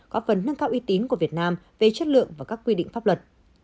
có phần nâng cao uy tín của việt nam về chất lượng và các quy định pháp luật